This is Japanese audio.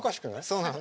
そうなの。